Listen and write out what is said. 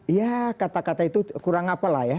ya kata kata itu kurang apa lah ya